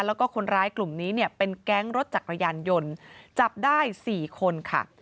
แล้วก็คนร้ายกลุ่มนี้เนี่ยเป็นแก๊งรถจักรยานยนต์จับได้๔คนค่ะ